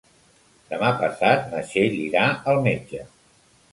Demà passat na Txell irà al metge.